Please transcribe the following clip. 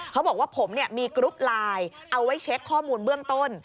เขาบอกว่าผมมีกรุ๊ปไลน์เอาไว้เช็คข้อมูลเบื้องต้น